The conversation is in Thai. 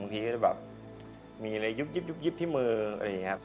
ทีก็จะแบบมีอะไรยุบที่มืออะไรอย่างนี้ครับ